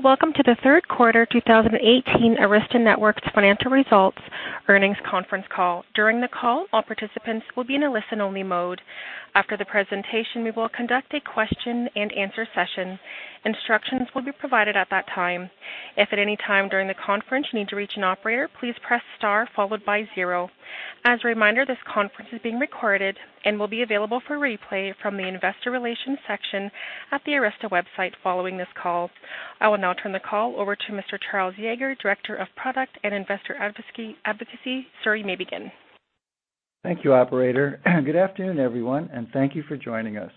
Welcome to the third quarter 2018 Arista Networks financial results earnings conference call. During the call, all participants will be in a listen-only mode. After the presentation, we will conduct a question and answer session. Instructions will be provided at that time. If at any time during the conference you need to reach an operator, please press star followed by zero. As a reminder, this conference is being recorded and will be available for replay from the investor relations section at the Arista website following this call. I will now turn the call over to Mr. Charles Yager, Director of Product and Investor Advocacy. Sir, you may begin. Thank you, operator. Good afternoon, everyone, and thank you for joining us.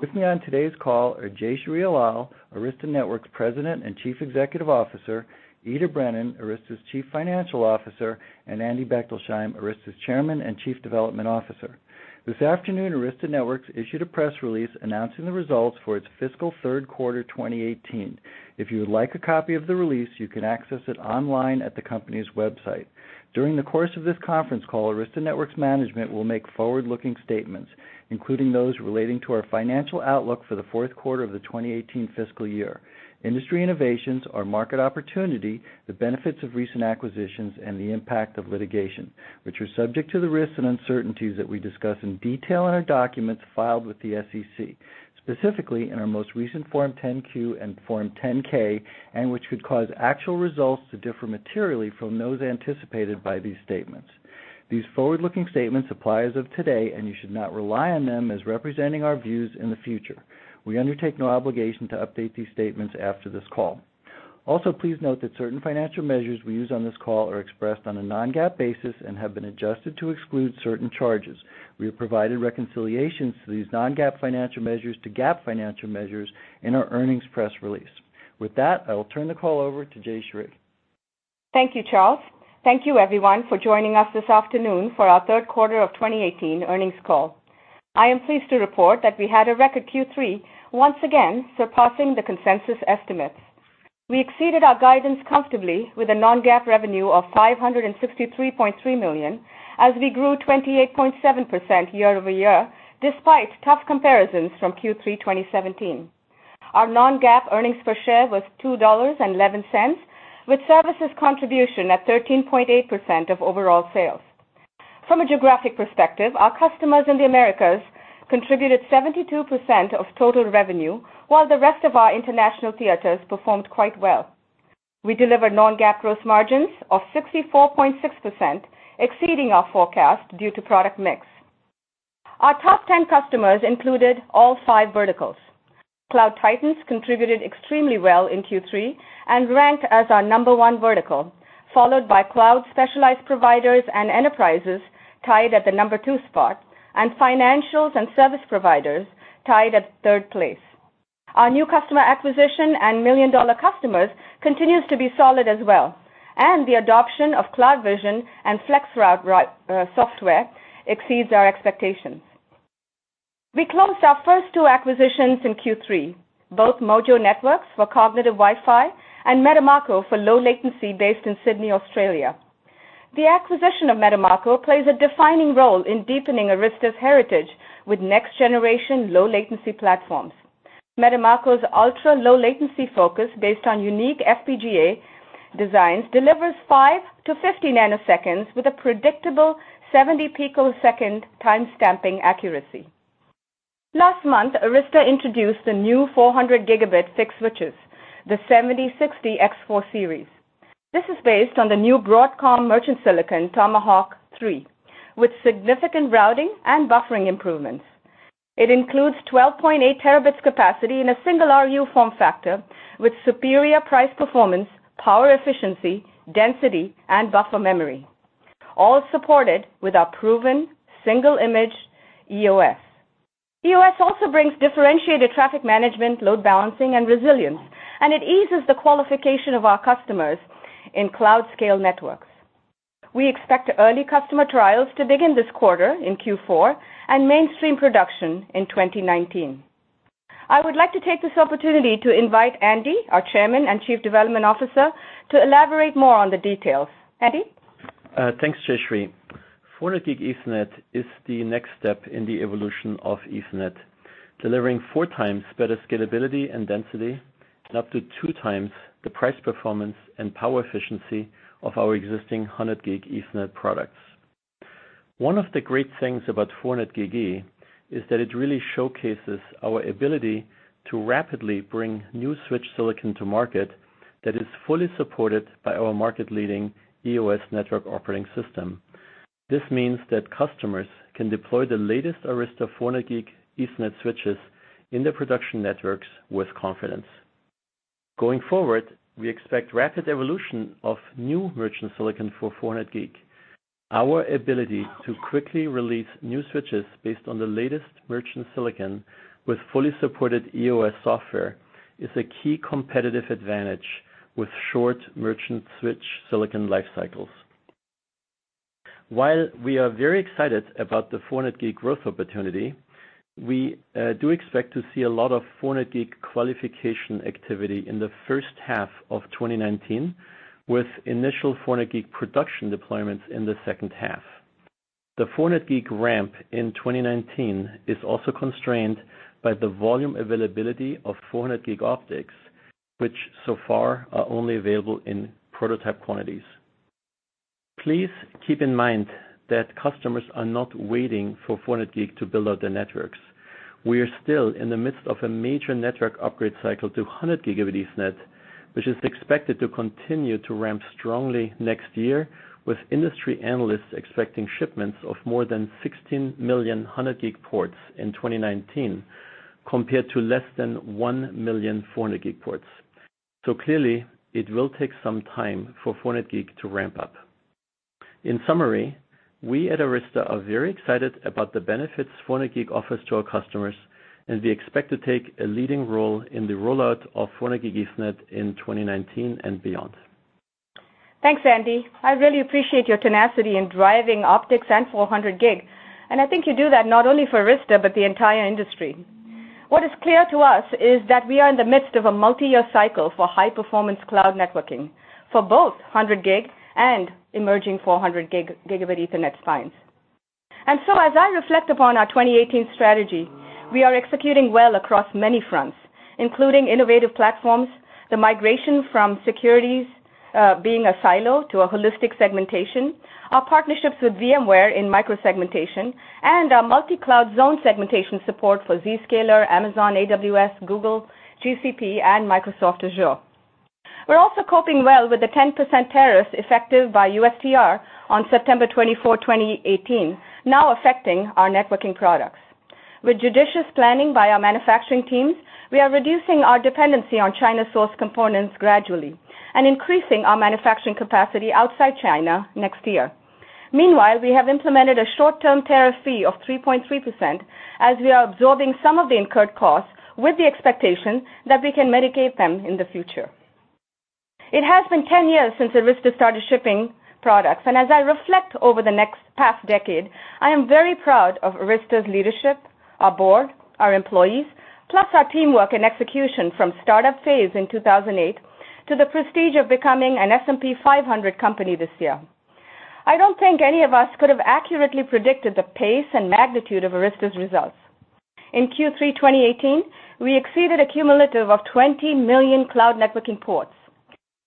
With me on today's call are Jayshree Ullal, Arista Networks President and Chief Executive Officer, Ita Brennan, Arista's Chief Financial Officer, and Andy Bechtolsheim, Arista's Chairman and Chief Development Officer. This afternoon, Arista Networks issued a press release announcing the results for its fiscal third quarter 2018. If you would like a copy of the release, you can access it online at the company's website. During the course of this conference call, Arista Networks management will make forward-looking statements, including those relating to our financial outlook for the fourth quarter of the 2018 fiscal year. Industry innovations, our market opportunity, the benefits of recent acquisitions, and the impact of litigation, which are subject to the risks and uncertainties that we discuss in detail in our documents filed with the SEC, specifically in our most recent Form 10-Q and Form 10-K, and which could cause actual results to differ materially from those anticipated by these statements. These forward looking statement apply as of today and you should not rely on them as representing our views in the future. We undertake no obligation to update these statements after this call. Please note that certain financial measures we use on this call are expressed on a non-GAAP basis and have been adjusted to exclude certain charges. We have provided reconciliations to these non-GAAP financial measures to GAAP financial measures in our earnings press release. With that, I will turn the call over to Jayshree. Thank you, Charles. Thank you, everyone, for joining us this afternoon for our third quarter of 2018 earnings call. I am pleased to report that we had a record Q3, once again surpassing the consensus estimates. We exceeded our guidance comfortably with a non-GAAP revenue of $563.3 million as we grew 28.7% year-over-year despite tough comparisons from Q3 2017. Our non-GAAP earnings per share was $2.11, with services contribution at 13.8% of overall sales. From a geographic perspective, our customers in the Americas contributed 72% of total revenue, while the rest of our international theaters performed quite well. We delivered non-GAAP gross margins of 64.6%, exceeding our forecast due to product mix. Our top 10 customers included all five verticals. Cloud titans contributed extremely well in Q3 and rank as our number one vertical, followed by cloud specialized providers and enterprises tied at the number two spot and financials and service providers tied at third place. Our new customer acquisition and million-dollar customers continues to be solid as well, and the adoption of CloudVision and FlexRoute software exceeds our expectations. We closed our first two acquisitions in Q3, both Mojo Networks for cognitive Wi-Fi and Metamako for low latency based in Sydney, Australia. The acquisition of Metamako plays a defining role in deepening Arista's heritage with next-generation low-latency platforms. Metamako's ultra-low latency focus based on unique FPGA designs delivers 5 nanoseconds-50 nanoseconds with a predictable 70 picosecond timestamping accuracy. Last month, Arista introduced the new 400 Gb fixed switches, the 7060X4 series. This is based on the new Broadcom merchant silicon, Tomahawk 3, with significant routing and buffering improvements. It includes 12.8 Tb capacity in a single RU form factor with superior price performance, power efficiency, density, and buffer memory, all supported with our proven single image EOS. EOS also brings differentiated traffic management, load balancing, and resilience, and it eases the qualification of our customers in cloud scale networks. We expect early customer trials to begin this quarter in Q4 and mainstream production in 2019. I would like to take this opportunity to invite Andy, our Chairman and Chief Development Officer, to elaborate more on the details. Andy? Thanks, Jayshree. 400 Gb Ethernet is the next step in the evolution of Ethernet, delivering four times better scalability and density and up to two times the price performance and power efficiency of our existing 100 Gb Ethernet products. One of the great things about 400 Gb E is that it really showcases our ability to rapidly bring new switch silicon to market that is fully supported by our market-leading EOS network operating system. This means that customers can deploy the latest Arista 400G Ethernet switches in their production networks with confidence. Going forward, we expect rapid evolution of new merchant silicon for 400 Gb. Our ability to quickly release new switches based on the latest merchant silicon with fully supported EOS software is a key competitive advantage with short merchant switch silicon life cycles. While we are very excited about the 400 Gb growth opportunity, we do expect to see a lot of 400 Gb qualification activity in the first half of 2019, with initial 400 Gb production deployments in the second half. The 400 Gb ramp in 2019 is also constrained by the volume availability of 400 Gb optics, which so far are only available in prototype quantities. Please keep in mind that customers are not waiting for 400 Gb to build out their networks. We are still in the midst of a major network upgrade cycle to 100 Gb Ethernet, which is expected to continue to ramp strongly next year, with industry analysts expecting shipments of more than 16 million 100 Gb ports in 2019, compared to less than 1 million 400 Gb ports. Clearly, it will take some time for 400 Gb to ramp up. In summary, we at Arista are very excited about the benefits 400 Gb offers to our customers, and we expect to take a leading role in the rollout of 400 Gb Ethernet in 2019 and beyond. Thanks, Andy. I really appreciate your tenacity in driving optics and 400 Gb. I think you do that not only for Arista, but the entire industry. What is clear to us is that we are in the midst of a multi-year cycle for high-performance cloud networking for both 100 Gb and emerging 400 Gb Ethernet spines. As I reflect upon our 2018 strategy, we are executing well across many fronts, including innovative platforms, the migration from security, being a silo to a holistic segmentation, our partnerships with VMware in micro-segmentation, and our multi-cloud zone segmentation support for Zscaler, Amazon AWS, Google GCP, and Microsoft Azure. We are also coping well with the 10% tariffs effective by USTR on September 24, 2018, now affecting our networking products. With judicious planning by our manufacturing teams, we are reducing our dependency on China-sourced components gradually and increasing our manufacturing capacity outside China next year. Meanwhile, we have implemented a short-term tariff fee of 3.3% as we are absorbing some of the incurred costs with the expectation that we can mitigate them in the future. It has been 10 years since Arista started shipping products. As I reflect over the past decade, I am very proud of Arista's leadership, our board, our employees, plus our teamwork and execution from startup phase in 2008 to the prestige of becoming an S&P 500 company this year. I don't think any of us could have accurately predicted the pace and magnitude of Arista's results. In Q3 2018, we exceeded a cumulative of 20 million cloud networking ports.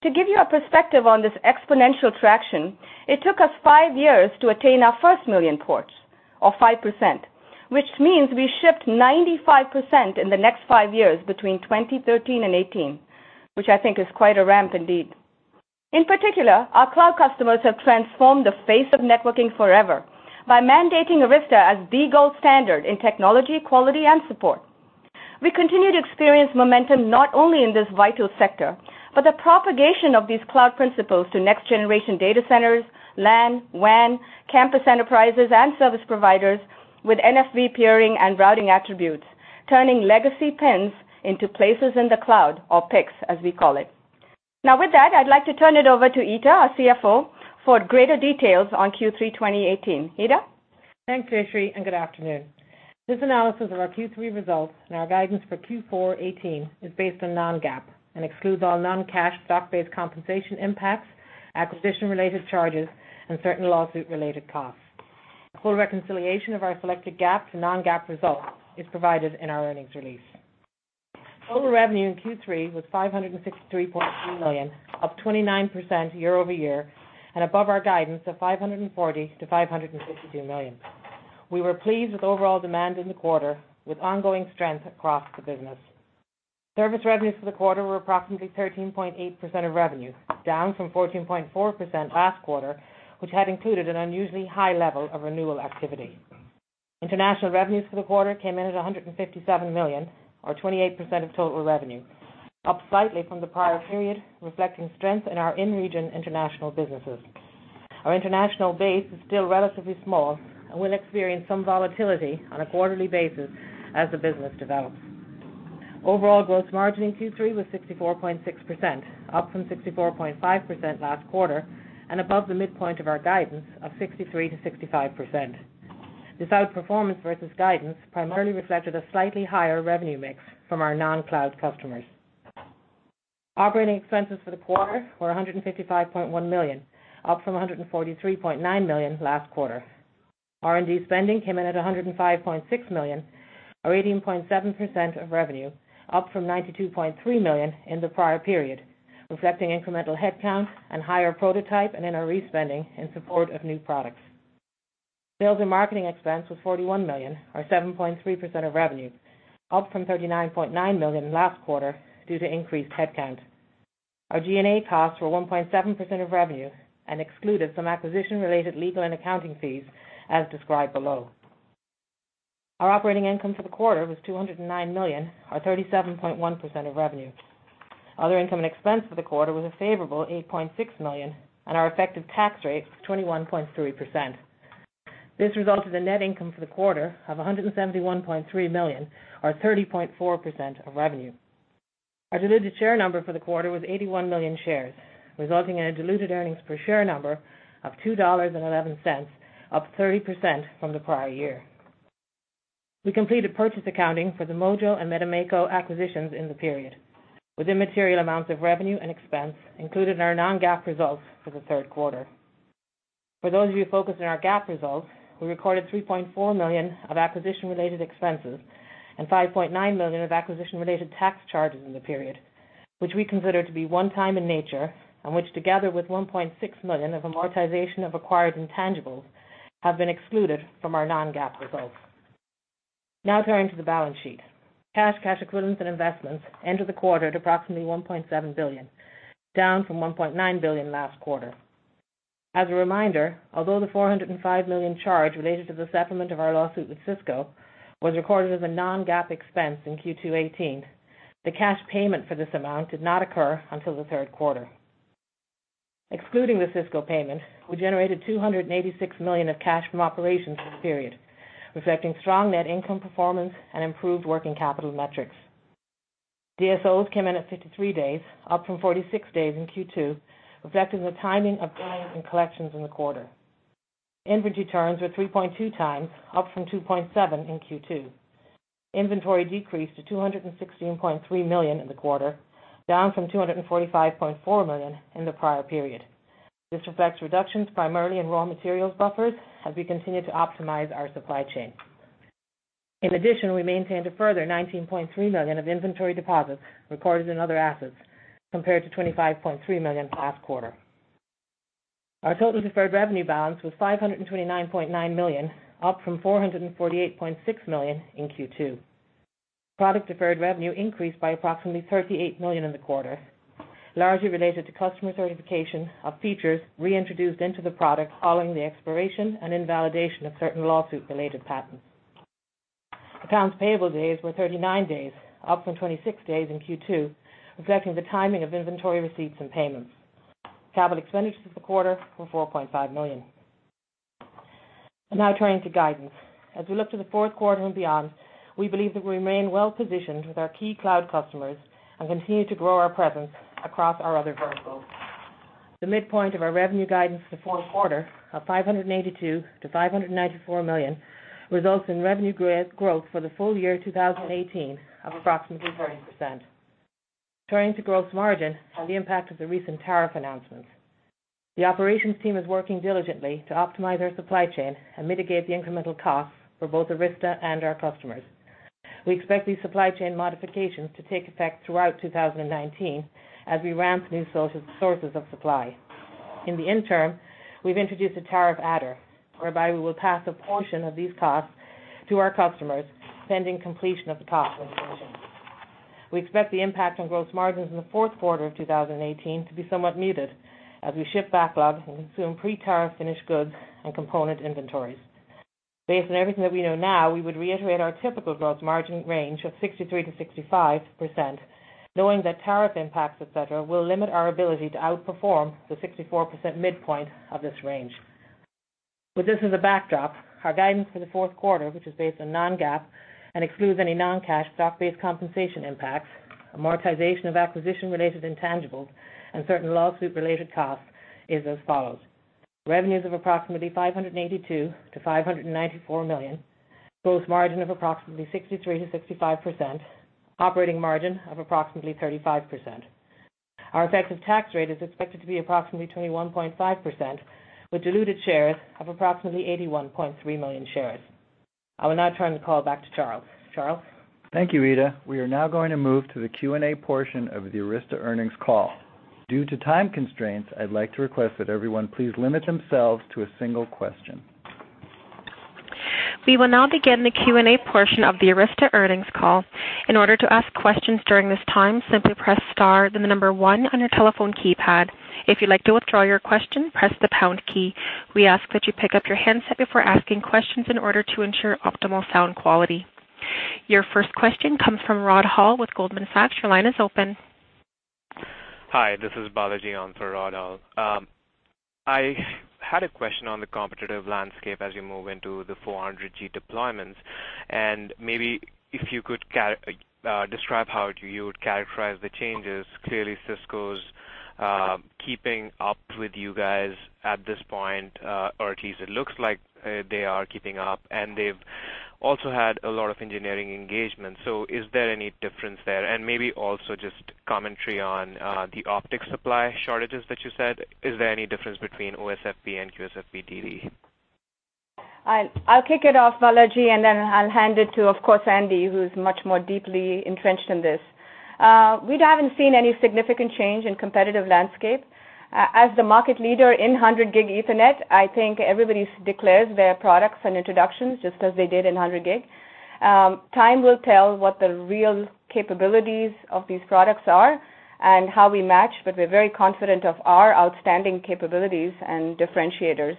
To give you a perspective on this exponential traction, it took us five years to attain our 1 million ports, or 5%, which means we shipped 95% in the next five years between 2013 and 2018, which I think is quite a ramp indeed. In particular, our cloud customers have transformed the face of networking forever by mandating Arista as the gold standard in technology, quality, and support. We continue to experience momentum not only in this vital sector, but the propagation of these cloud principles to next generation data centers, LAN, WAN, campus enterprises, and service providers with NFV peering and routing attributes, turning legacy PINs into places in the cloud, or PICs, as we call it. With that, I'd like to turn it over to Ita, our CFO, for greater details on Q3 2018. Ita? Thanks, Jayshree, and good afternoon. This analysis of our Q3 results and our guidance for Q4 2018 is based on non-GAAP and excludes all non-cash stock-based compensation impacts, acquisition-related charges, and certain lawsuit-related costs. A full reconciliation of our selected GAAP to non-GAAP results is provided in our earnings release. Total revenue in Q3 was $563.3 million, up 29% year-over-year and above our guidance of $540 million-$562 million. We were pleased with overall demand in the quarter with ongoing strength across the business. Service revenues for the quarter were approximately 13.8% of revenue, down from 14.4% last quarter, which had included an unusually high level of renewal activity. International revenues for the quarter came in at $157 million or 28% of total revenue, up slightly from the prior period, reflecting strength in our in-region international businesses. Our international base is still relatively small and will experience some volatility on a quarterly basis as the business develops. Overall gross margin in Q3 was 64.6%, up from 64.5% last quarter and above the midpoint of our guidance of 63%-65%. This outperformance versus guidance primarily reflected a slightly higher revenue mix from our non-cloud customers. Operating expenses for the quarter were $155.1 million, up from $143.9 million last quarter. R&D spending came in at $105.6 million or 18.7% of revenue, up from $92.3 million in the prior period, reflecting incremental headcount and higher prototype and NRE spending in support of new products. Sales and marketing expense was $41 million or 7.3% of revenue, up from $39.9 million last quarter due to increased headcount. Our G&A costs were 1.7% of revenue and excluded some acquisition-related legal and accounting fees as described below. Our operating income for the quarter was $209 million or 37.1% of revenue. Other income and expense for the quarter was a favorable $8.6 million. Our effective tax rate was 21.3%. This resulted in net income for the quarter of $171.3 million or 30.4% of revenue. Our diluted share number for the quarter was 81 million shares, resulting in a diluted earnings per share number of $2.11, up 30% from the prior year. We completed purchase accounting for the Mojo and Metamako acquisitions in the period with immaterial amounts of revenue and expense included in our non-GAAP results for the third quarter. For those of you focused on our GAAP results, we recorded $3.4 million of acquisition-related expenses and $5.9 million of acquisition-related tax charges in the period, which we consider to be one-time in nature and which together with $1.6 million of amortization of acquired intangibles have been excluded from our non-GAAP results. Turning to the balance sheet. Cash, cash equivalents, and investments entered the quarter at approximately $1.7 billion, down from $1.9 billion last quarter. As a reminder, although the $405 million charge related to the settlement of our lawsuit with Cisco was recorded as a non-GAAP expense in Q2 2018, the cash payment for this amount did not occur until the third quarter. Excluding the Cisco payment, we generated $286 million of cash from operations this period, reflecting strong net income performance and improved working capital metrics. DSOs came in at 53 days, up from 46 days in Q2, reflecting the timing of payments and collections in the quarter. Inventory turns were 3.2x, up from 2.7x in Q2. Inventory decreased to $216.3 million in the quarter, down from $245.4 million in the prior period. This reflects reductions primarily in raw materials buffers as we continue to optimize our supply chain. In addition, we maintained a further $19.3 million of inventory deposits recorded in other assets compared to $25.3 million last quarter. Our total deferred revenue balance was $529.9 million, up from $448.6 million in Q2. Product deferred revenue increased by approximately $38 million in the quarter, largely related to customer certification of features reintroduced into the product following the expiration and invalidation of certain lawsuit-related patents. Accounts payable days were 39 days, up from 26 days in Q2, reflecting the timing of inventory receipts and payments. Capital expenditures for the quarter were $4.5 million. I'm now turning to guidance. As we look to the fourth quarter and beyond, we believe that we remain well-positioned with our key cloud customers and continue to grow our presence across our other verticals. The midpoint of our revenue guidance for the fourth quarter of $582 million-$594 million results in revenue growth for the full year 2018 of approximately 30%. Turning to gross margin and the impact of the recent tariff announcements. The operations team is working diligently to optimize our supply chain and mitigate the incremental costs for both Arista and our customers. We expect these supply chain modifications to take effect throughout 2019 as we ramp new sources of supply. In the interim, we've introduced a tariff adder, whereby we will pass a portion of these costs to our customers pending completion of the cost equation. We expect the impact on gross margins in the fourth quarter of 2018 to be somewhat muted as we ship backlog and consume pre-tariff finished goods and component inventories. Based on everything that we know now, we would reiterate our typical gross margin range of 63%-65%, knowing that tariff impacts, et cetera, will limit our ability to outperform the 64% midpoint of this range. With this as a backdrop, our guidance for the fourth quarter, which is based on non-GAAP and excludes any non-cash stock-based compensation impacts, amortization of acquisition-related intangibles, and certain lawsuit-related costs, is as follows. Revenues of approximately $582 million-$594 million. Gross margin of approximately 63%-65%. Operating margin of approximately 35%. Our effective tax rate is expected to be approximately 21.5%, with diluted shares of approximately 81.3 million shares. I will now turn the call back to Charles. Charles? Thank you, Ita. We are now going to move to the Q&A portion of the Arista earnings call. Due to time constraints, I'd like to request that everyone please limit themselves to a single question. We will now begin the Q&A portion of the Arista earnings call. Your first question comes from Rod Hall with Goldman Sachs. Your line is open. Hi, this is Balaji on for Rod Hall. I had a question on the competitive landscape as you move into the 400G deployments, and maybe if you could describe how you would characterize the changes. Clearly, Cisco's keeping up with you guys at this point, or at least it looks like they are keeping up, and they've also had a lot of engineering engagements. Is there any difference there? Maybe also just commentary on the optics supply shortages that you said. Is there any difference between OSFP and QSFP-DD? I'll kick it off, Balaji, and then I'll hand it to, of course, Andy, who's much more deeply entrenched in this. We haven't seen any significant change in competitive landscape. As the market leader in 100 Gb Ethernet, I think everybody's declared their products and introductions just as they did in 100 Gb. Time will tell what the real capabilities of these products are and how we match, but we're very confident of our outstanding capabilities and differentiators.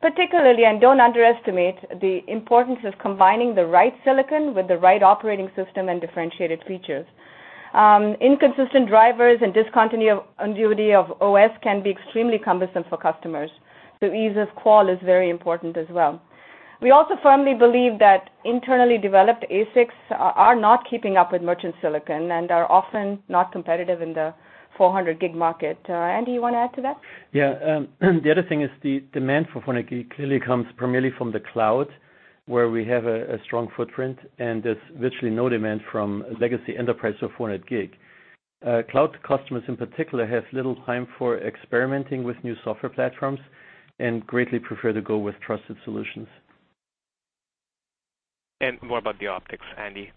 Particularly, and don't underestimate the importance of combining the right silicon with the right operating system and differentiated features. Inconsistent drivers and discontinuity of OS can be extremely cumbersome for customers, so ease of qual is very important as well. We also firmly believe that internally developed ASICs are not keeping up with merchant silicon and are often not competitive in the 400 Gb market. Andy, you want to add to that? Yeah, the other thing is the demand for 400 Gb clearly comes primarily from the cloud, where we have a strong footprint, and there's virtually no demand from legacy enterprise for 400 Gb. Cloud customers in particular have little time for experimenting with new software platforms and greatly prefer to go with trusted solutions. More about the optics, Andy.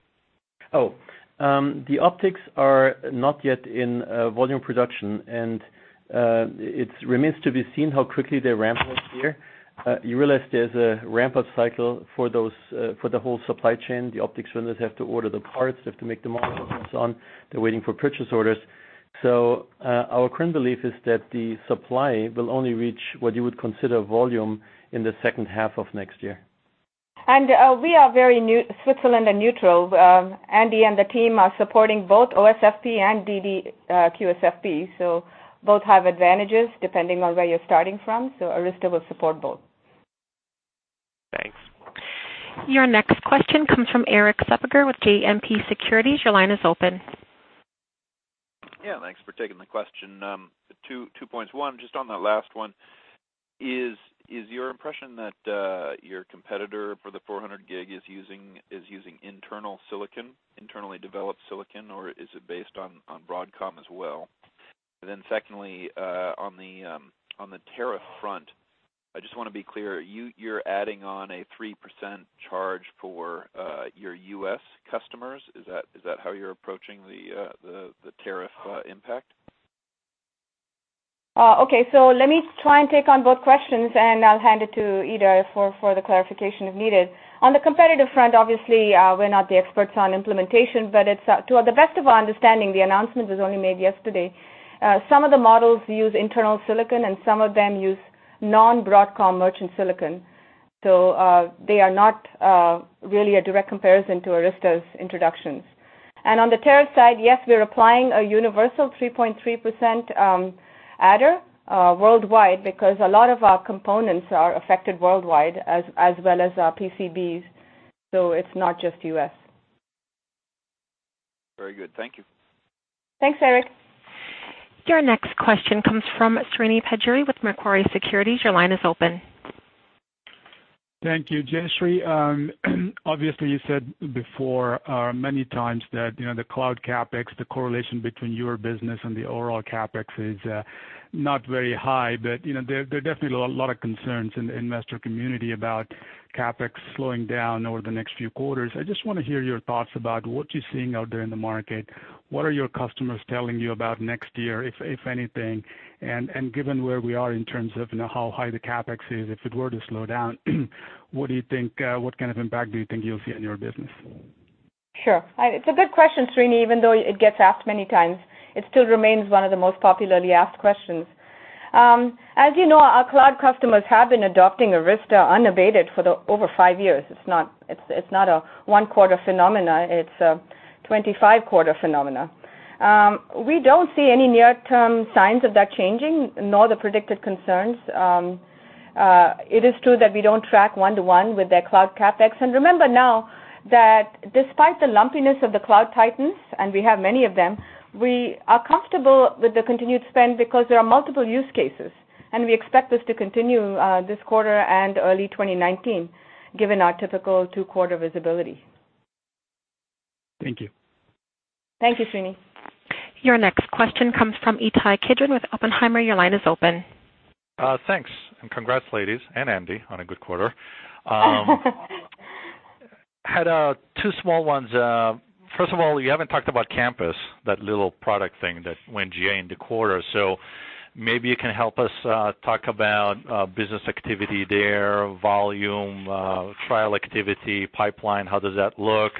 The optics are not yet in volume production. It remains to be seen how quickly they ramp up here. You realize there's a ramp-up cycle for those for the whole supply chain. The optics vendors have to order the parts, they have to make the models, and so on. They're waiting for purchase orders. Our current belief is that the supply will only reach what you would consider volume in the second half of next year. We are Switzerland and neutral. Andy and the team are supporting both OSFP and QSFP-DD, both have advantages depending on where you're starting from. Arista will support both. Thanks. Your next question comes from Erik Suppiger with JMP Securities. Your line is open. Yeah, thanks for taking the question. Two, two points. One, just on that last one, is your impression that your competitor for the 400 Gb is using internal silicon, internally developed silicon, or is it based on Broadcom as well? Secondly, on the tariff front, I just wanna be clear, you're adding on a 3% charge for your U.S. customers. Is that how you're approaching the tariff impact? Okay, so let me try and take on both questions, and I'll hand it to Ita for the clarification if needed. On the competitive front, obviously, we're not the experts on implementation, but it's to the best of our understanding, the announcement was only made yesterday. Some of the models use internal silicon, and some of them use non-Broadcom merchant silicon. They are not really a direct comparison to Arista's introductions. On the tariff side, yes, we're applying a universal 3.3% adder worldwide because a lot of our components are affected worldwide as well as our PCBs, so it's not just U.S. Very good. Thank you. Thanks, Erik. Your next question comes from Srini Pajjuri with Macquarie Securities. Your line is open. Thank you. Jayshree, obviously, you said before, many times that, you know, the cloud CapEx, the correlation between your business and the overall CapEx is not very high, but, you know, there are definitely a lot of concerns in the investor community about CapEx slowing down over the next few quarters. I just wanna hear your thoughts about what you're seeing out there in the market. What are your customers telling you about next year, if anything? Given where we are in terms of, you know, how high the CapEx is, if it were to slow down, what do you think, what kind of impact do you think you'll see on your business? Sure. It's a good question, Srini. Even though it gets asked many times, it still remains one of the most popularly asked questions. As you know, our cloud customers have been adopting Arista unabated for the over five years. It's not a one-quarter phenomena. It's a 25-quarter phenomena. We don't see any near-term signs of that changing, nor the predicted concerns. It is true that we don't track one-to-one with their cloud CapEx. Remember now that despite the lumpiness of the cloud titans, and we have many of them, we are comfortable with the continued spend because there are multiple use cases, and we expect this to continue this quarter and early 2019, given our typical two-quarter visibility. Thank you. Thank you, Srini. Your next question comes from Ittai Kidron with Oppenheimer. Your line is open. Thanks, congrats, ladies, and Andy, on a good quarter. I had two small ones. First of all, you haven't talked about campus, that little product thing that went GA in the quarter. Maybe you can help us talk about business activity there, volume, trial activity, pipeline, how does that look?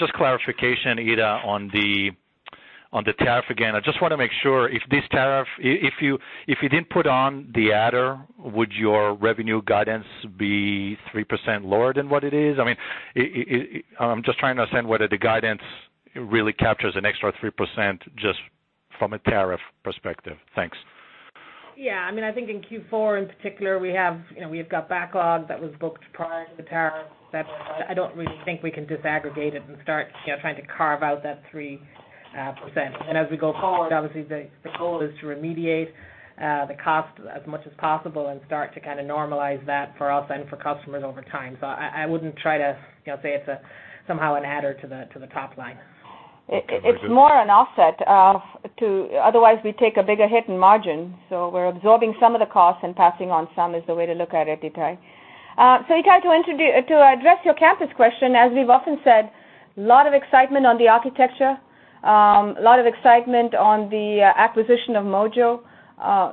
Just clarification, Ita, on the tariff again. I just wanna make sure if this tariff, if you didn't put on the adder, would your revenue guidance be 3% lower than what it is? I mean, it I'm just trying to understand whether the guidance really captures an extra 3% just from a tariff perspective. Thanks. Yeah, I mean, I think in Q4 in particular, we have, you know, we've got backlog that was booked prior to the tariff that I don't really think we can disaggregate it and start, you know, trying to carve out that 3%. As we go forward, obviously, the goal is to remediate the cost as much as possible and start to kinda normalize that for us and for customers over time. I wouldn't try to, you know, say it's a somehow an adder to the top line. Okay. It's more an offset of. Otherwise, we take a bigger hit in margin. We're absorbing some of the costs and passing on some is the way to look at it, Ittai. Ittai, to address your campus question, as we've often said, lot of excitement on the architecture, lot of excitement on the acquisition of Mojo,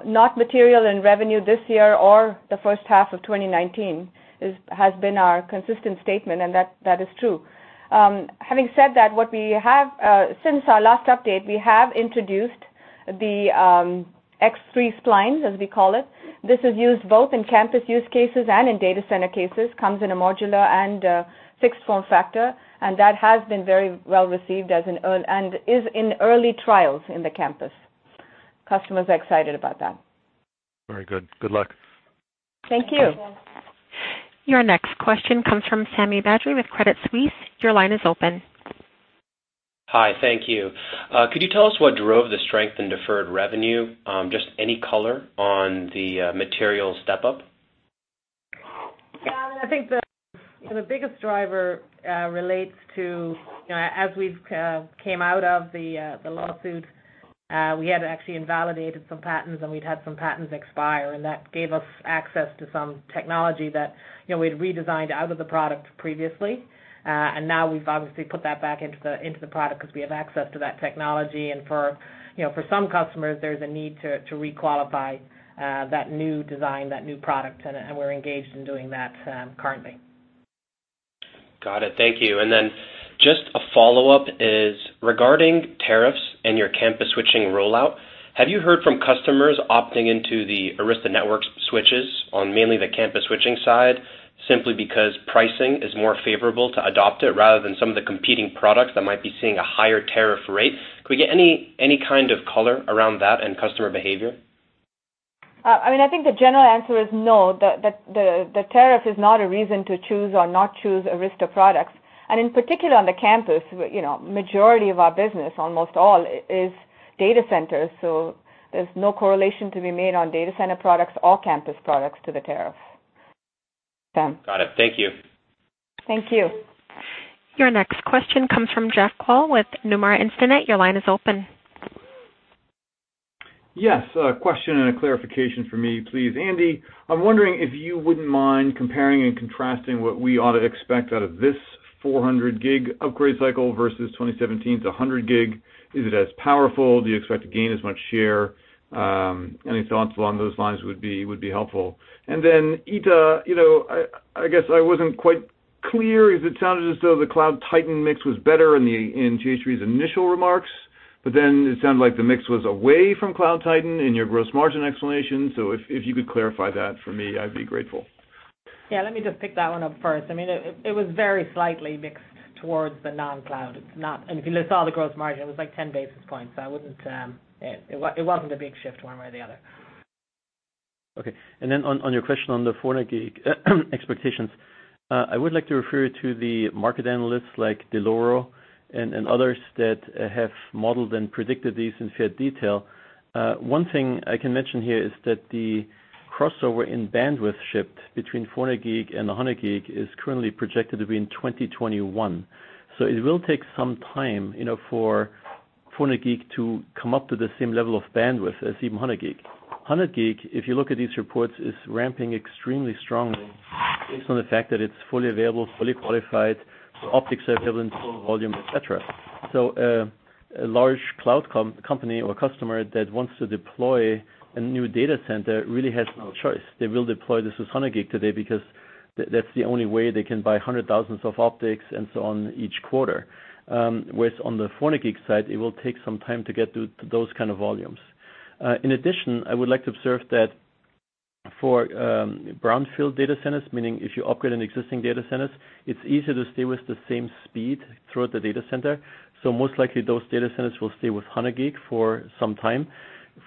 not material in revenue this year or the first half of 2019 is, has been our consistent statement, and that is true. Having said that, what we have, since our last update, we have introduced the X3 Splines, as we call it. This is used both in campus use cases and in data center cases, comes in a modular and a fixed form factor, and that has been very well received and is in early trials in the campus. Customers are excited about that. Very good. Good luck. Thank you. Your next question comes from Sami Badri with Credit Suisse. Your line is open. Hi, thank you. Could you tell us what drove the strength in deferred revenue, just any color on the material step-up? I think the biggest driver relates to, you know, as we've came out of the lawsuit, we had actually invalidated some patents, and we'd had some patents expire, and that gave us access to some technology that, you know, we'd redesigned out of the product previously. Now we've obviously put that back into the, into the product 'cause we have access to that technology. For, you know, for some customers, there's a need to re-qualify that new design, that new product, and we're engaged in doing that currently. Got it. Thank you. Just a follow-up is regarding tariffs and your campus switching rollout, have you heard from customers opting into the Arista Networks switches on mainly the campus switching side simply because pricing is more favorable to adopt it rather than some of the competing products that might be seeing a higher tariff rate? Could we get any kind of color around that and customer behavior? I mean, I think the general answer is no, the tariff is not a reason to choose or not choose Arista products. In particular on the campus, you know, majority of our business, almost all is data centers, so there's no correlation to be made on data center products or campus products to the tariff. Sami. Got it. Thank you. Thank you. Your next question comes from Jeff Kvaal with Nomura Instinet. Your line is open. Yes, a question and a clarification for me, please. Andy, I'm wondering if you wouldn't mind comparing and contrasting what we ought to expect out of this 400 Gb upgrade cycle versus 2017 to 100 Gb. Is it as powerful? Do you expect to gain as much share? Any thoughts along those lines would be helpful. Ita, you know, I guess I wasn't quite clear. It sounded as though the Cloud Titan mix was better in the, in Jayshree's initial remarks, it sounded like the mix was away from Cloud Titan in your gross margin explanation. If you could clarify that for me, I'd be grateful. Yeah, let me just pick that one up first. I mean, it was very slightly mixed towards the non-cloud. If you saw the gross margin, it was like 10 basis points. I wouldn't, it wasn't a big shift one way or the other. Okay. On your question on the 400 Gb expectations, I would like to refer you to the market analysts like Dell'Oro and others that have modeled and predicted these in fair detail. One thing I can mention here is that the crossover in bandwidth shipped between 400 Gb and 100 Gb is currently projected to be in 2021. It will take some time, you know, for 400 Gb to come up to the same level of bandwidth as even 100 Gb. 100 Gb, if you look at these reports, is ramping extremely strongly based on the fact that it's fully available, fully qualified, the optics are available in full volume, et cetera. A large cloud company or customer that wants to deploy a new data center really has no choice. They will deploy this as 100 Gb today because that's the only way they can buy 100,000 of optics and so on each quarter. Whereas on the 400 Gb side, it will take some time to get to those kind of volumes. In addition, I would like to observe that for brownfield data centers, meaning if you upgrade an existing data centers, it's easier to stay with the same speed throughout the data center. Most likely those data centers will stay with 100 Gb for some time.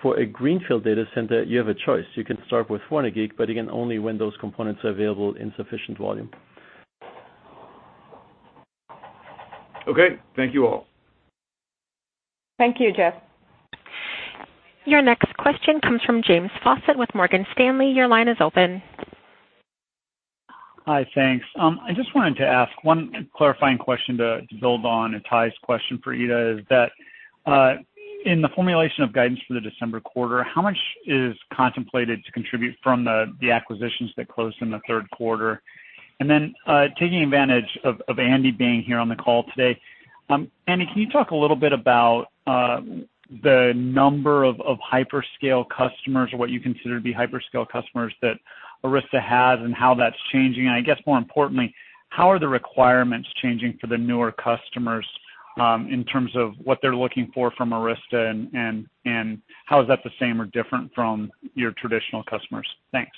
For a greenfield data center, you have a choice. You can start with 400 Gb, but again, only when those components are available in sufficient volume. Okay. Thank you all. Thank you, Jeff. Your next question comes from James Faucette with Morgan Stanley. Your line is open. Hi, thanks. I just wanted to ask one clarifying question to build on Ittai's question for Ita. Is that in the formulation of guidance for the December quarter, how much is contemplated to contribute from the acquisitions that closed in the third quarter? Taking advantage of Andy being here on the call today, Andy, can you talk a little bit about the number of hyperscale customers or what you consider to be hyperscale customers that Arista has and how that's changing? I guess more importantly, how are the requirements changing for the newer customers in terms of what they're looking for from Arista and how is that the same or different from your traditional customers? Thanks.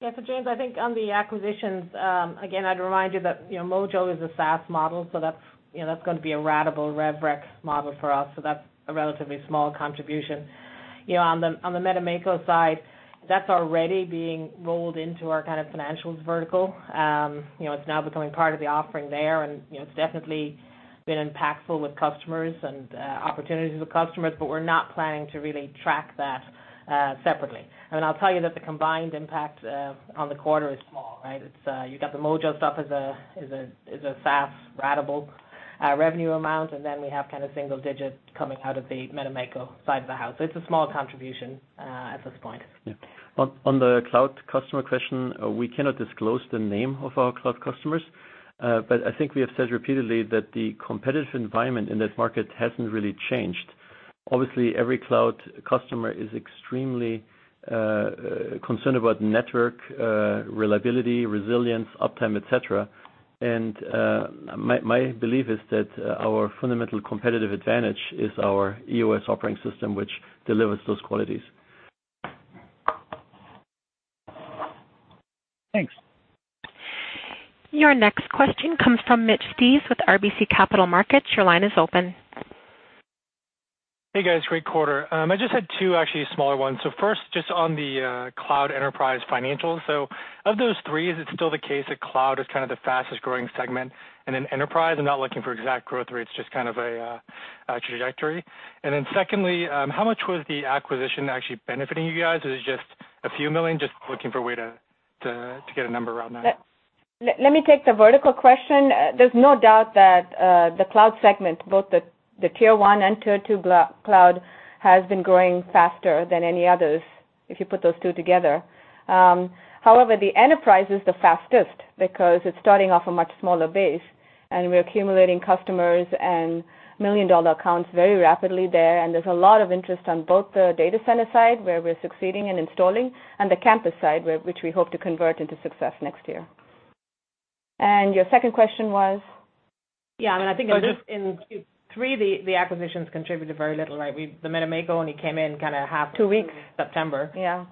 Yeah. James, I think on the acquisitions, again, I'd remind you that, you know, Mojo is a SaaS model, so that's, you know, that's gonna be a ratable rev rec model for us. That's a relatively small contribution. You know, on the, on the Metamako side, that's already being rolled into our kind of financials vertical. You know, it's now becoming part of the offering there and, you know, it's definitely been impactful with customers and opportunities with customers, but we're not planning to really track that separately. I mean, I'll tell you that the combined impact on the quarter is small, right? It's, you got the Mojo stuff as a, as a, as a SaaS ratable revenue amount, and then we have kind of single digit coming out of the Metamako side of the house. It's a small contribution, at this point. On the cloud customer question, we cannot disclose the name of our cloud customers. I think we have said repeatedly that the competitive environment in this market hasn't really changed. Obviously, every cloud customer is extremely concerned about network, reliability, resilience, uptime, et cetera. My belief is that our fundamental competitive advantage is our EOS operating system, which delivers those qualities. Thanks. Your next question comes from Mitch Steves with RBC Capital Markets. Your line is open. Hey, guys. Great quarter. I just had two actually smaller ones. First, just on the cloud enterprise financials. Of those three, is it still the case that cloud is kind of the fastest growing segment? Enterprise, I'm not looking for exact growth rates, just kind of a trajectory. Secondly, how much was the acquisition actually benefiting you guys? Is it just a few million? Looking for a way to get a number around that. Let me take the vertical question. There's no doubt that the cloud segment, both the tier 1 and tier 2 cloud has been growing faster than any others if you put those two together. However, the enterprise is the fastest because it's starting off a much smaller base, and we're accumulating customers and $1 million accounts very rapidly there, and there's a lot of interest on both the data center side, where we're succeeding in installing, and the campus side which we hope to convert into success next year. Your second question was? Yeah, I think in Q3 the acquisitions contributed very little, right? The Metamako only came in kinda half- Two weeks. -September. Yeah.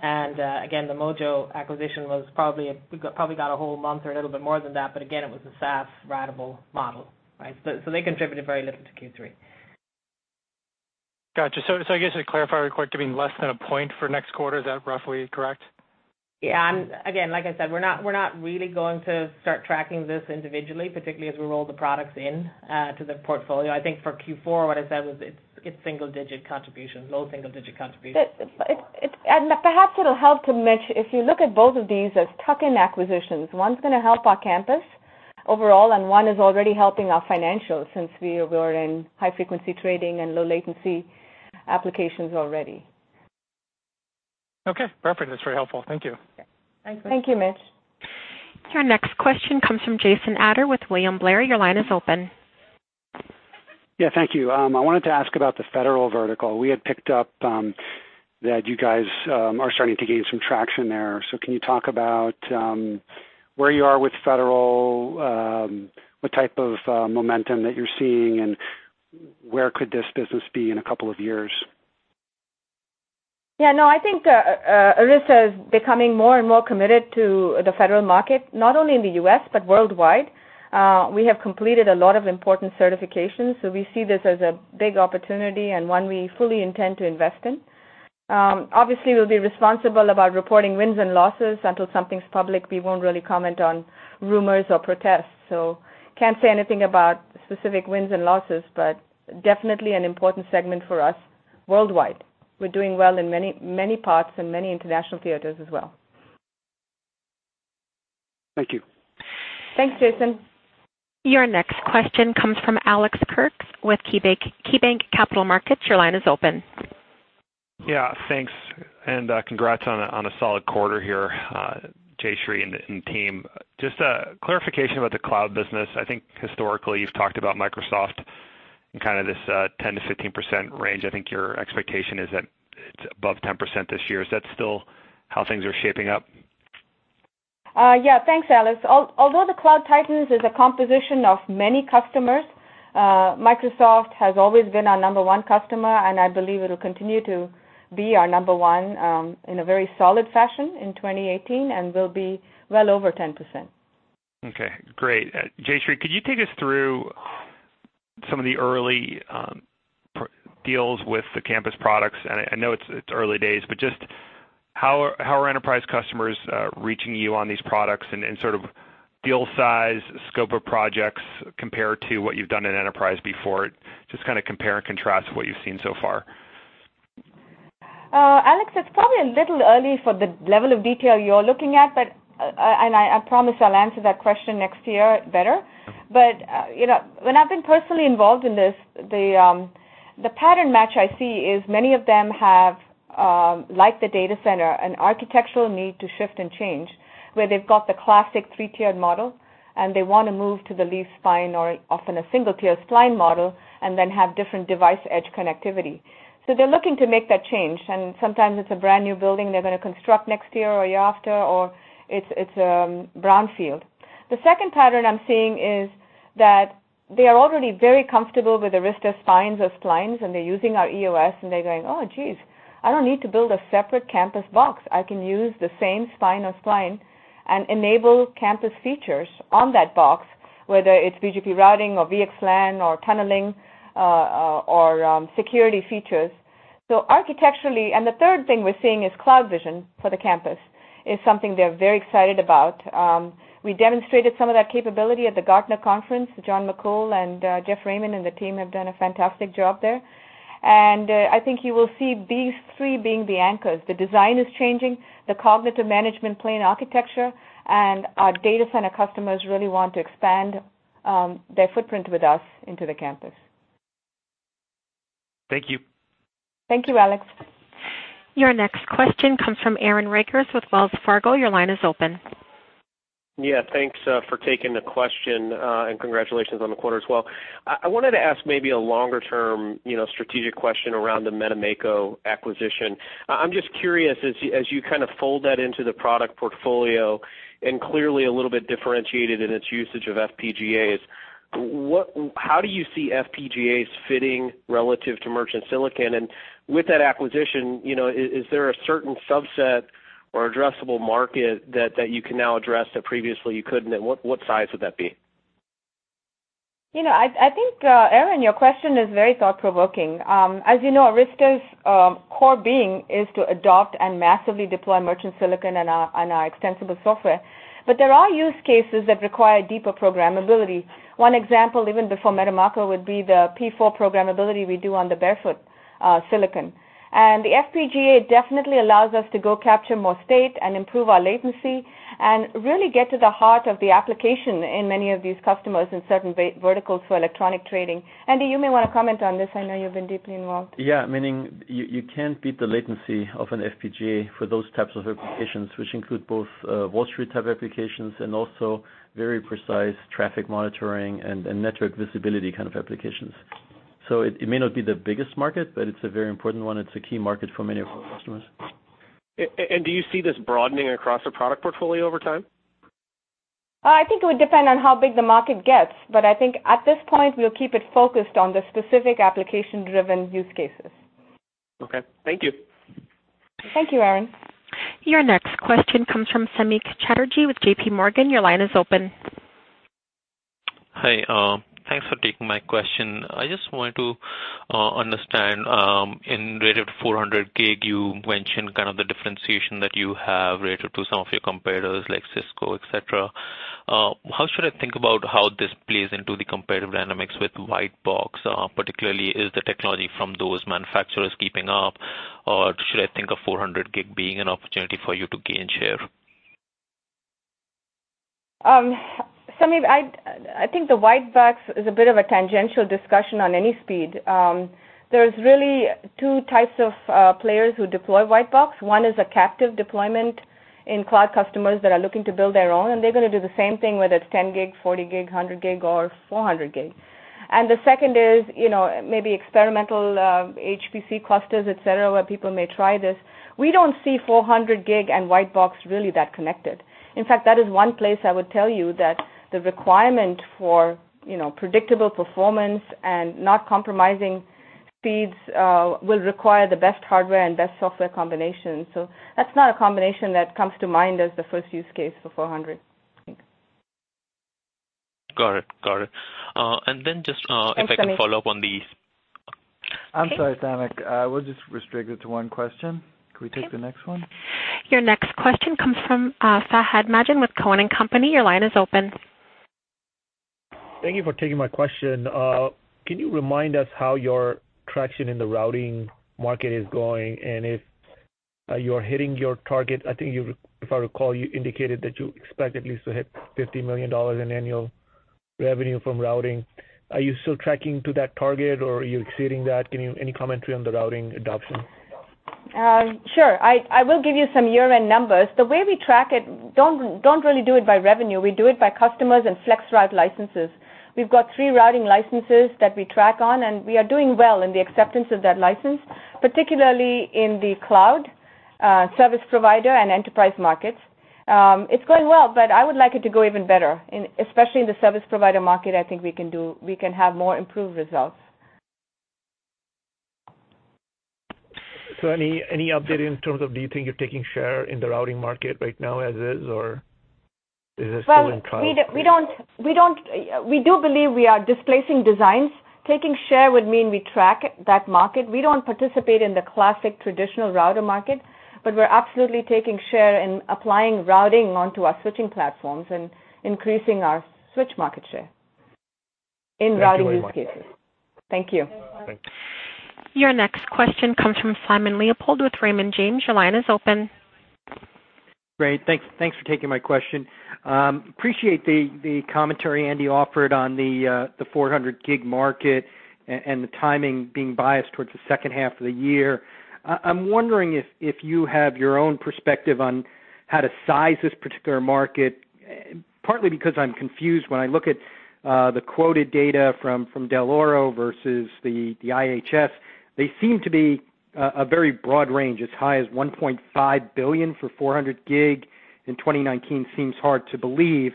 again, the Mojo acquisition we probably got a whole month or a little bit more than that, but again, it was a SaaS ratable model, right? So they contributed very little to Q3. Gotcha. I guess to clarify, we're quite giving less than a point for next quarter, is that roughly correct? Yeah. Again, like I said, we're not really going to start tracking this individually, particularly as we roll the products in to the portfolio. I think for Q4 what I said was it's single digit contribution, low single digit contribution for Q4. Perhaps it'll help to Mitch, if you look at both of these as tuck-in acquisitions, one's gonna help our campus overall, and one is already helping our financials since we are in high frequency trading and low latency applications already. Okay. Perfect. That's very helpful. Thank you. Yeah. Thanks, Mitch. Thank you, Mitch. Your next question comes from Jason Ader with William Blair. Your line is open. Yeah. Thank you. I wanted to ask about the federal vertical. We had picked up that you guys are starting to gain some traction there. Can you talk about where you are with federal, what type of momentum that you're seeing, and where could this business be in a couple of years? Yeah, no, I think Arista is becoming more and more committed to the federal market, not only in the U.S., but worldwide. We have completed a lot of important certifications, so we see this as a big opportunity and one we fully intend to invest in. Obviously we'll be responsible about reporting wins and losses. Until something's public, we won't really comment on rumors or protests. Can't say anything about specific wins and losses, but definitely an important segment for us worldwide. We're doing well in many parts and many international theaters as well. Thank you. Thanks, Jason. Your next question comes from Alex Kurtz with KeyBanc Capital Markets. Your line is open. Yeah. Thanks, congrats on a solid quarter here, Jayshree and team. Just a clarification about the cloud business. I think historically you've talked about Microsoft in kinda this 10%-15% range. I think your expectation is that it's above 10% this year. Is that still how things are shaping up? Yeah. Thanks, Alex. Although the cloud titans is a composition of many customers, Microsoft has always been our number one customer, and I believe it'll continue to be our number one, in a very solid fashion in 2018, and will be well over 10%. Okay. Great. Jayshree, could you take us through some of the early deals with the campus products? I know it's early days, but just how are enterprise customers reaching you on these products and sort of deal size, scope of projects compared to what you've done in enterprise before? Just kinda compare and contrast what you've seen so far. Alex, it's probably a little early for the level of detail you're looking at, but I promise I'll answer that question next year better. You know, when I've been personally involved in this, the pattern match I see is many of them have, like the data center, an architectural need to shift and change, where they've got the classic three-tiered model and they want to move to the leaf-spine or often a single tier spine model and then have different device edge connectivity. They're looking to make that change, and sometimes it's a brand-new building they're going to construct next year or year after, or it's brownfield. The second pattern I'm seeing is that they are already very comfortable with the Arista spines or spines, and they're using our EOS and they're going, "Oh, geez, I don't need to build a separate campus box. I can use the same spine or spine and enable campus features on that box, whether it's BGP routing or VXLAN or tunneling or security features." Architecturally the third thing we're seeing is CloudVision for the campus is something they're very excited about. We demonstrated some of that capability at the Gartner Conference. John McCool and Jeff Raymond and the team have done a fantastic job there. I think you will see these three being the anchors. The design is changing, the cognitive management plane architecture, and our data center customers really want to expand their footprint with us into the campus. Thank you. Thank you, Alex. Your next question comes from Aaron Rakers with Wells Fargo. Your line is open. Thanks for taking the question and congratulations on the quarter as well. I wanted to ask maybe a longer term, you know, strategic question around the Metamako acquisition. I'm just curious, as you kinda fold that into the product portfolio and clearly a little bit differentiated in its usage of FPGAs, how do you see FPGAs fitting relative to merchant silicon? With that acquisition, you know, is there a certain subset or addressable market that you can now address that previously you couldn't? What size would that be? You know, I think, Aaron, your question is very thought-provoking. As you know, Arista's core being is to adopt and massively deploy merchant silicon on our extensible software. There are use cases that require deeper programmability. One example, even before Metamako, would be the P4 programmability we do on the Barefoot silicon. The FPGA definitely allows us to go capture more state and improve our latency and really get to the heart of the application in many of these customers in certain verticals for electronic trading. Andy, you may wanna comment on this. I know you've been deeply involved. You can't beat the latency of an FPGA for those types of applications, which include both Wall Street type applications and also very precise traffic monitoring and network visibility kind of applications. It may not be the biggest market, but it's a very important one. It's a key market for many of our customers. Do you see this broadening across the product portfolio over time? I think it would depend on how big the market gets, but I think at this point, we'll keep it focused on the specific application-driven use cases. Okay. Thank you. Thank you, Aaron. Your next question comes from Samik Chatterjee with JPMorgan. Your line is open. Hi. Thanks for taking my question. I just wanted to understand in rate of 400 Gb, you mentioned kind of the differentiation that you have related to some of your competitors like Cisco, et cetera. How should I think about how this plays into the competitive dynamics with white box? Particularly, is the technology from those manufacturers keeping up, or should I think of 400 Gb being an opportunity for you to gain share? Samik, I think the white box is a bit of a tangential discussion on any speed. There's really two types of players who deploy white box. One is a captive deployment in cloud customers that are looking to build their own, and they're gonna do the same thing, whether it's 10 Gb, 40 Gb, 100 Gb or 400 Gb. The second is, you know, maybe experimental HPC clusters, et cetera, where people may try this. We don't see 400 Gb and white box really that connected. In fact, that is one place I would tell you that the requirement for, you know, predictable performance and not compromising speeds will require the best hardware and best software combination. That's not a combination that comes to mind as the first use case for 400 Gb. Got it. Got it. Thanks, Samik. If I can follow up on these. I'm sorry, Samik. We'll just restrict it to one question. Okay. Can we take the next one? Your next question comes from Fahad Najam with Cowen and Company. Your line is open. Thank you for taking my question. Can you remind us how your traction in the routing market is going? If you're hitting your target. If I recall, you indicated that you expect at least to hit $50 million in annual revenue from routing. Are you still tracking to that target, or are you exceeding that? Can you any commentary on the routing adoption? Sure. I will give you some year-end numbers. The way we track it, don't really do it by revenue. We do it by customers and FlexRoute licenses. We've got three routing licenses that we track on, and we are doing well in the acceptance of that license, particularly in the cloud, service provider and enterprise markets. It's going well, but I would like it to go even better in, especially in the service provider market, I think we can have more improved results. Any update in terms of do you think you're taking share in the routing market right now as is, or is it still in trial? Well, we do believe we are displacing designs. Taking share would mean we track that market. We don't participate in the classic traditional router market, we're absolutely taking share and applying routing onto our switching platforms and increasing our switch market share in routing use cases. Thank you very much. Thank you. Your next question comes from Simon Leopold with Raymond James. Your line is open. Great. Thanks for taking my question. Appreciate the commentary Andy offered on the 400 Gb market and the timing being biased towards the second half of the year. I'm wondering if you have your own perspective on how to size this particular market, partly because I'm confused when I look at the quoted data from Dell'Oro versus the IHS. They seem to be a very broad range, as high as $1.5 billion for 400 Gb in 2019 seems hard to believe.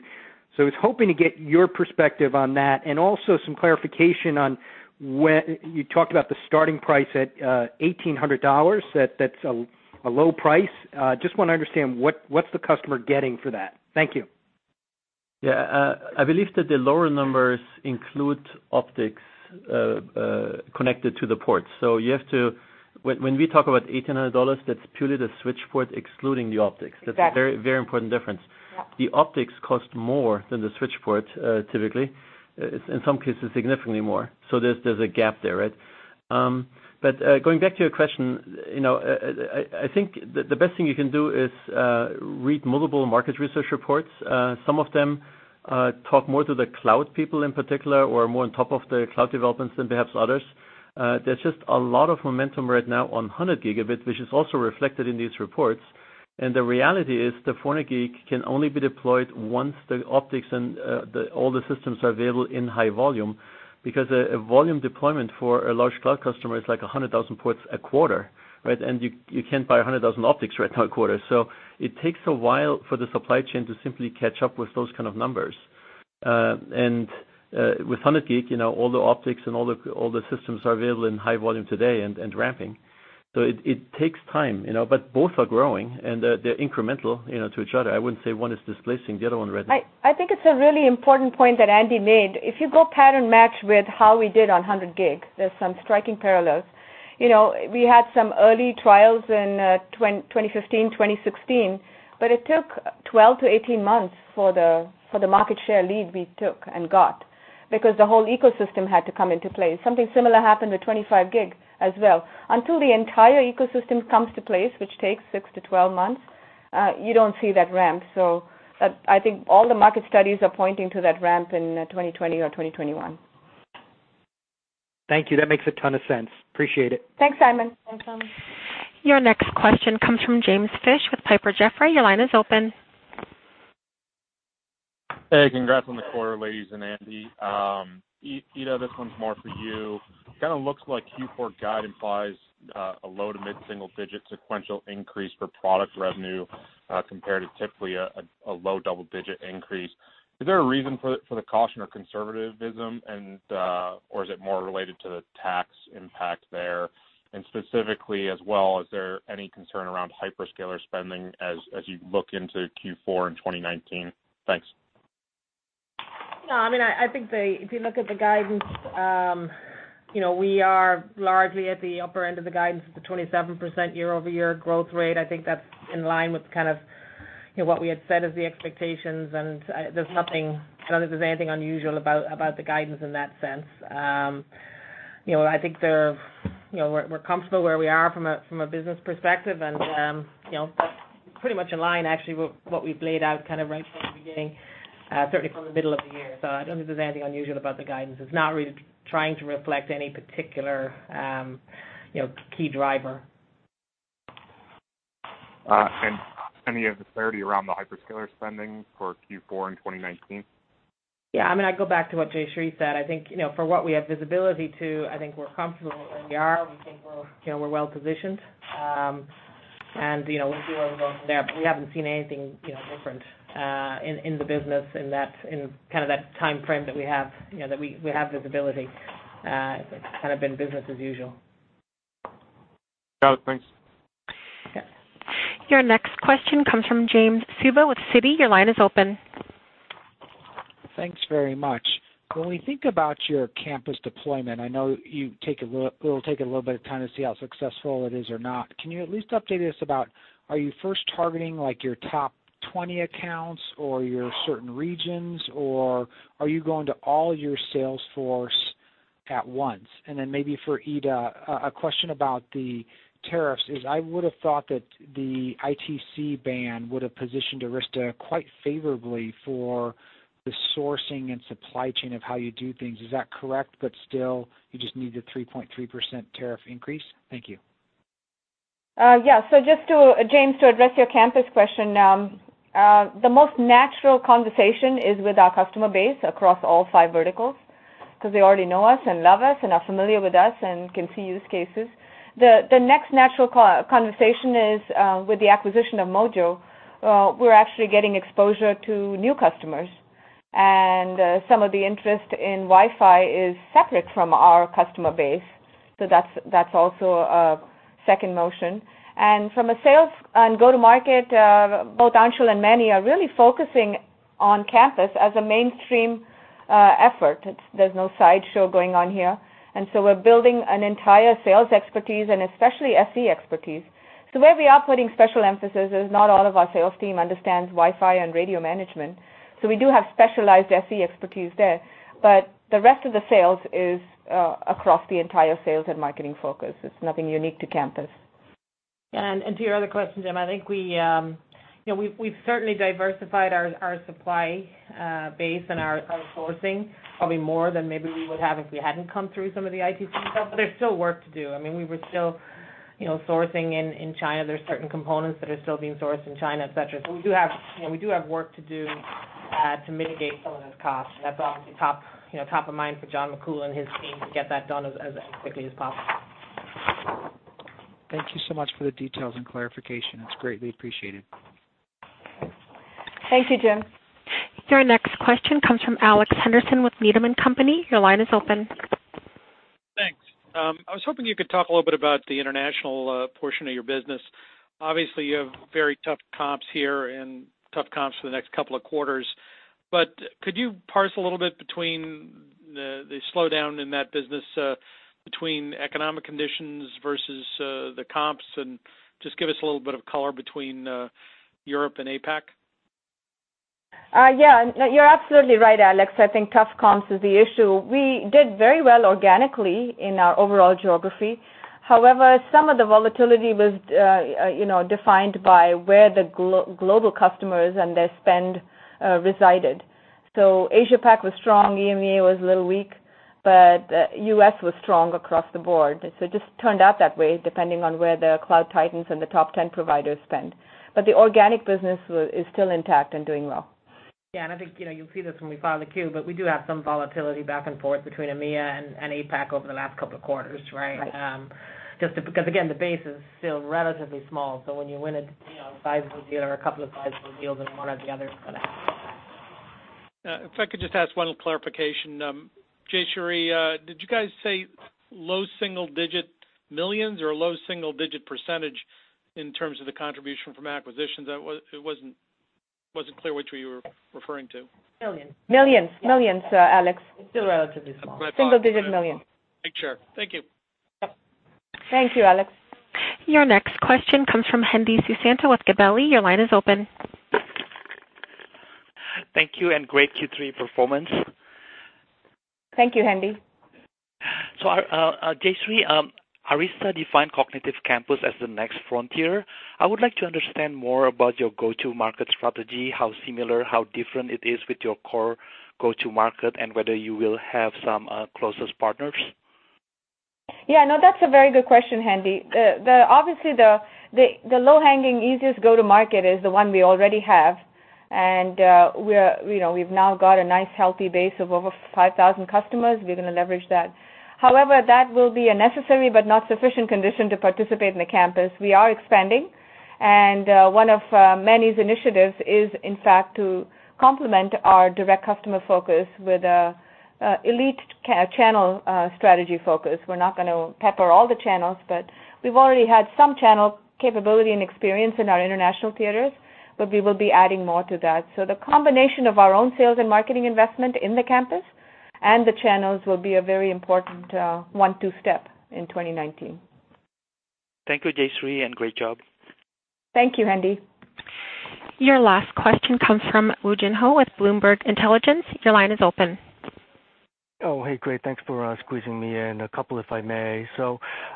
I was hoping to get your perspective on that and also some clarification on when you talked about the starting price at $1,800, that's a low price. Just want to understand what's the customer getting for that? Thank you. Yeah. I believe that the lower numbers include optics connected to the port. When we talk about $1,800, that's purely the switch port, excluding the optics. Exactly. That's a very, very important difference. Yeah. The optics cost more than the switch port typically. In some cases, significantly more. There's a gap there, right? Going back to your question, you know, I think the best thing you can do is read multiple market research reports. Some of them talk more to the cloud people in particular or are more on top of the cloud developments than perhaps others. There's just a lot of momentum right now on 100 Gb, which is also reflected in these reports. The reality is the 400 Gb can only be deployed once the optics and all the systems are available in high volume. Because a volume deployment for a large cloud customer is like 100,000 ports a quarter, right? You can't buy 100,000 optics right now a quarter. It takes a while for the supply chain to simply catch up with those kind of numbers. With 100 Gb, you know, all the optics and all the systems are available in high volume today and ramping. It takes time, you know. Both are growing and they're incremental, you know, to each other. I wouldn't say one is displacing the other one right now. I think it's a really important point that Andy made. If you go pattern match with how we did on 100 Gb, there's some striking parallels. You know, we had some early trials in 2015, 2016, but it took 12 months-18 months for the market share lead we took and got because the whole ecosystem had to come into play. Something similar happened with 25 Gb as well. Until the entire ecosystem comes to place, which takes six months to 12 months. You don't see that ramp. I think all the market studies are pointing to that ramp in 2020 or 2021. Thank you. That makes a ton of sense. Appreciate it. Thanks, Simon. Thanks, Simon. Your next question comes from James Fish with Piper Jaffray. Your line is open. Hey, congrats on the quarter, ladies and Andy. Ita, this one's more for you. Kinda looks like Q4 guide implies a low to mid-single digit sequential increase for product revenue, compared to typically a low double-digit increase. Is there a reason for the caution or conservativism, or is it more related to the tax impact there? Specifically as well, is there any concern around hyperscaler spending as you look into Q4 in 2019? Thanks. No, I mean, I think the if you look at the guidance, you know, we are largely at the upper end of the guidance at the 27% year-over-year growth rate. I think that's in line with kind of, you know, what we had said is the expectations, and there's nothing I don't think there's anything unusual about the guidance in that sense. You know, I think they're, you know, we're comfortable where we are from a, from a business perspective, and, you know, that's pretty much in line actually with what we've laid out kind of right from the beginning, certainly from the middle of the year. I don't think there's anything unusual about the guidance. It's not really trying to reflect any particular, you know, key driver. Any of the clarity around the hyperscaler spending for Q4 in 2019? Yeah, I mean, I go back to what Jayshree said. I think, you know, for what we have visibility to, I think we're comfortable where we are. We think we're, you know, we're well-positioned. You know, we'll see where we go from there, but we haven't seen anything, you know, different in the business in that, in kinda that timeframe that we have, you know, that we have visibility. It's kind of been business as usual. Got it. Thanks. Yeah. Your next question comes from Jim Suva with Citi. Your line is open. Thanks very much. When we think about your campus deployment, I know it'll take a little bit of time to see how successful it is or not. Can you at least update us about, are you first targeting like your top 20 accounts or your certain regions, or are you going to all your sales force at once? Then maybe for Ita, a question about the tariffs is I would've thought that the ITC ban would've positioned Arista quite favorably for the sourcing and supply chain of how you do things. Is that correct, still you just need the 3.3% tariff increase? Thank you. Just to, James, to address your campus question, the most natural conversation is with our customer base across all five verticals 'cause they already know us and love us and are familiar with us and can see use cases. The next natural conversation is with the acquisition of Mojo, we're actually getting exposure to new customers. Some of the interest in Wi-Fi is separate from our customer base, so that's also a second motion. From a sales and go-to-market, both Anshul and Manny are really focusing on campus as a mainstream effort. It's there's no sideshow going on here. We're building an entire sales expertise and especially SE expertise. Where we are putting special emphasis is not all of our sales team understands Wi-Fi and radio management. We do have specialized SE expertise there. The rest of the sales is across the entire sales and marketing focus. It's nothing unique to campus. Yeah. To your other question, Jim, I think we, you know, we've certainly diversified our supply base and our sourcing probably more than maybe we would have if we hadn't come through some of the ITC, but there's still work to do. I mean, we were still, you know, sourcing in China. There's certain components that are still being sourced in China, et cetera. We do have, you know, we do have work to do, to mitigate some of those costs. That's obviously top, you know, top of mind for John McCool and his team to get that done as quickly as possible. Thank you so much for the details and clarification. It is greatly appreciated. Thank you, Jim. Your next question comes from Alex Henderson with Needham & Company. Your line is open. Thanks. I was hoping you could talk a little bit about the international portion of your business. Obviously, you have very tough comps here and tough comps for the next couple of quarters. Could you parse a little bit between the slowdown in that business, between economic conditions versus the comps and just give us a little bit of color between Europe and APAC? Yeah. You're absolutely right, Alex. I think tough comps is the issue. We did very well organically in our overall geography. However, some of the volatility was, you know, defined by where the global customers and their spend resided. Asia Pac was strong, EMEA was a little weak, but U.S. was strong across the board. It just turned out that way, depending on where the Cloud Titans and the top 10 providers spend. The organic business is still intact and doing well. Yeah. I think, you know, you'll see this when we file the Q, but we do have some volatility back and forth between EMEA and APAC over the last couple of quarters, right. Right. Because again, the base is still relatively small. When you win a, you know, sizable deal or a couple of sizable deals in one or the other, it's gonna happen. If I could just ask one clarification. Jayshree, did you guys say low single digit millions or low single digit percentage in terms of the contribution from acquisitions? That wasn't clear which one you were referring to. Millions. Millions. Millions, Alex. It's still relatively small. Single digit million. Make sure. Thank you. Yep. Thank you, Alex. Your next question comes from Hendi Susanto with Gabelli. Your line is open. Thank you, and great Q3 performance. Thank you, Hendi. Our Jayshree, Arista defined Cognitive Campus as the next frontier. I would like to understand more about your go-to-market strategy, how similar, how different it is with your core go-to-market, and whether you will have some closest partners. Yeah. No, that's a very good question, Hendi. Obviously the low-hanging easiest go-to market is the one we already have, and we're, you know, we've now got a nice healthy base of over 5,000 customers. We're gonna leverage that. However, that will be a necessary but not sufficient condition to participate in the campus. We are expanding, and one of Manny's initiatives is, in fact, to complement our direct customer focus with a elite channel strategy focus. We're not gonna pepper all the channels, but we've already had some channel capability and experience in our international theaters, but we will be adding more to that. The combination of our own sales and marketing investment in the campus and the channels will be a very important one-two step in 2019. Thank you, Jayshree, and great job. Thank you, Hendi. Your last question comes from Woo Jin Ho with Bloomberg Intelligence. Your line is open. Hey, great. Thanks for squeezing me in. A couple, if I may.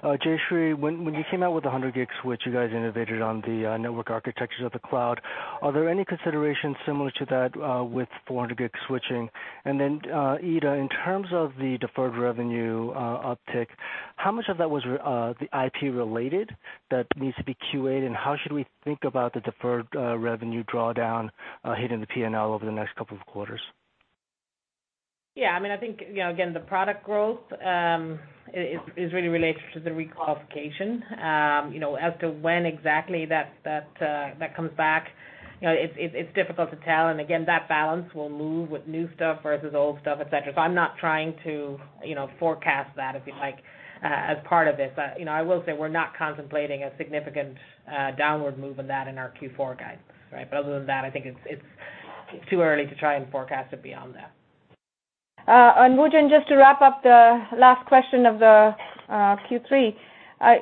Jayshree, when you came out with a 100 Gb switch, you guys innovated on the network architectures of the cloud. Are there any considerations similar to that with 400 Gb switching? Ita, in terms of the deferred revenue uptick, how much of that was the IP related that needs to be QA'd, and how should we think about the deferred revenue drawdown hitting the P&L over the next couple of quarters? Yeah, I mean, I think, you know, again, the product growth is really related to the reclassification. You know, as to when exactly that comes back, you know, it's difficult to tell. Again, that balance will move with new stuff versus old stuff, et cetera. I'm not trying to, you know, forecast that, if you like, as part of this. You know, I will say we're not contemplating a significant downward move in that in our Q4 guidance, right? Other than that, I think it's too early to try and forecast it beyond that. Woo Jin, just to wrap up the last question of the Q3.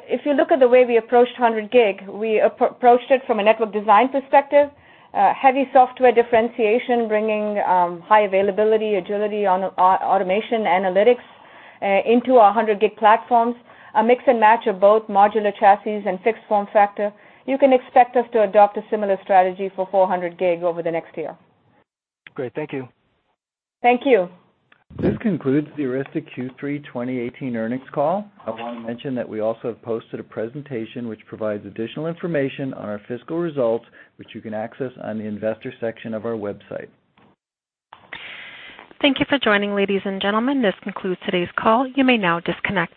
If you look at the way we approached 100 Gb, we approached it from a network design perspective, heavy software differentiation, bringing high availability, agility on automation analytics, into our 100 Gb platforms, a mix and match of both modular chassis and fixed form factor. You can expect us to adopt a similar strategy for 400 Gb over the next year. Great. Thank you. Thank you. This concludes the Arista Q3 2018 earnings call. I want to mention that we also have posted a presentation which provides additional information on our fiscal results, which you can access on the investor section of our website. Thank you for joining, ladies and gentlemen. This concludes today's call. You may now disconnect.